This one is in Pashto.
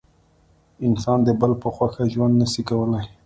انسان د بل په خوښه ژوند نسي کولای.